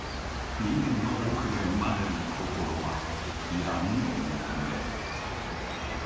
人間の奥で生まれる心は闇を求める。